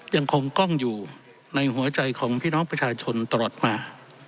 ยังคงกล้องอยู่ในหัวใจของพี่น้องประชาชนตลอดมา